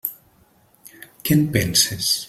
Què en penses?